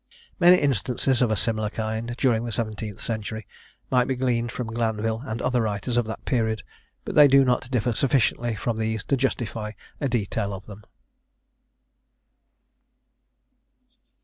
Many instances of a similar kind, during the seventeenth century, might be gleaned from Glanvil and other writers of that period; but they do not differ sufficiently from these to justify a detail of them.